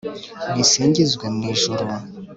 nisingizwe mu ijuru